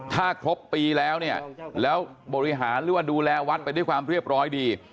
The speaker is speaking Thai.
ถ้าครบปีแล้วเนี่ยแล้วบริหารหรือว่าดูแลวัดไปด้วยความเรียบร้อยดี